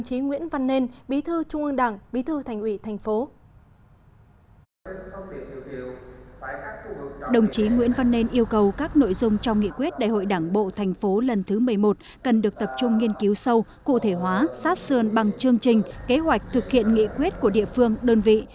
đồng chí nguyễn văn nên yêu cầu các nội dung trong nghị quyết đại hội đảng bộ thành phố lần thứ một mươi một cần được tập trung nghiên cứu sâu cụ thể hóa sát sườn bằng chương trình kế hoạch thực hiện nghị quyết của địa phương đơn vị